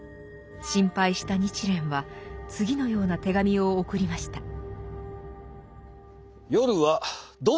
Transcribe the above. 心配した日蓮は次のような手紙を送りました。